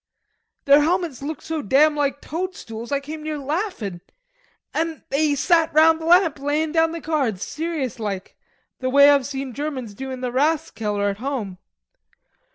"Their helmets looked so damn like toadstools I came near laughin'. An' they sat round the lamp layin' down the cards serious like, the way I've seen Germans do in the Rathskeller at home."